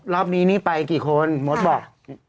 รอบนี้นี่ไปกี่คนมดบอก